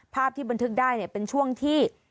ภาพที่บันทึกได้เป็นช่วงที่